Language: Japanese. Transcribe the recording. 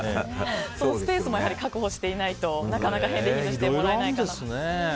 スペースも確保していないとなかなか返礼品としてもらえないかなと。